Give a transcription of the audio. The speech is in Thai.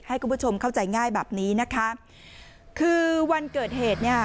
ให้คุณผู้ชมเข้าใจง่ายแบบนี้นะคะคือวันเกิดเหตุเนี่ย